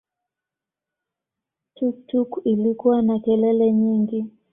Tuktuk ilikuwa na kelele nyingi